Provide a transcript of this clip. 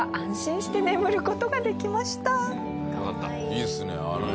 いいですねあれ。